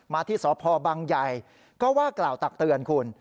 ที่สพบังใหญ่ก็ว่ากล่าวตักเตือนคุณ